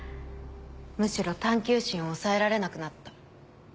むしろ探究心を抑えられなくなった。